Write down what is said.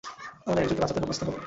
আমাদের একজনকে বাঁচতে হবে।